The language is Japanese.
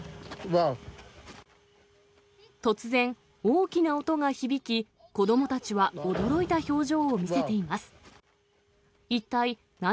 突然、大きな音が響き、子どもたちは驚いた表情を見せています。